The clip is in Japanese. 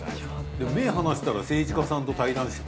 でも目離したら政治家さんと対談してたり。